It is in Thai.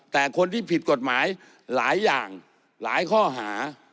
แต่คนที่ผิดกฎหมายหลายอย่างหลายข้อหา